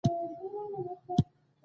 د سوسیالیزم د کمزوري کولو لپاره.